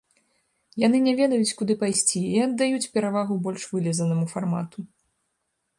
Яны не ведаюць, куды пайсці, і аддаюць перавагу больш вылізанаму фармату.